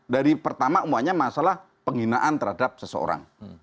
dari pertama umumnya masalah penghinaan terhadap seseorang